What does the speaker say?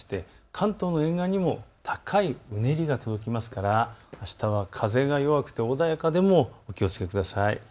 関東の沿岸にも高いうねりが続きますからあしたは風が弱くて穏やかでもお気をつけください。